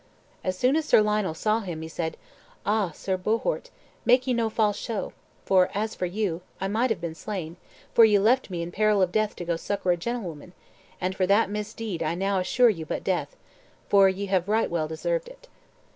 As soon as Sir Lionel saw him he said, "Ah, Sir Bohort, make ye no false show, for, as for you, I might have been slain, for ye left me in peril of death to go succor a gentlewoman; and for that misdeed I now assure you but death, for ye have right well deserved it."